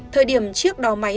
thời điểm chiếc đò máy